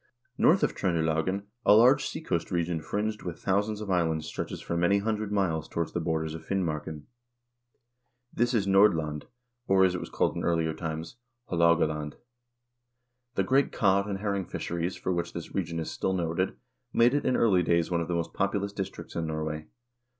North of Tr0ndelagen a large seacoast region fringed with thou sands of islands stretches for many hundred miles towards the borders of Finmarken. This is Nordland, or, as it was called in earlier times, 1 G unlaugssaga, ch. 11. 116 HISTORY OF THE NORWEGIAN PEOPLE Haalogaland. The great cod and herring fisheries for which this region is still noted, made it in early days one of the most populous districts in Norway.